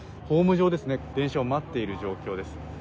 ホーム上で電車を待っている状況です。